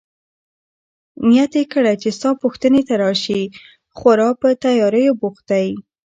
نیت يې کړی چي ستا پوښتنې ته راشي، خورا په تیاریو بوخت دی.